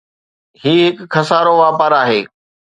هي هڪ خسارو واپار آهي.